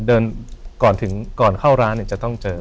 เดินก่อนเข้าร้านเนี่ยจะต้องเจอ